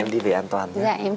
em đi về an toàn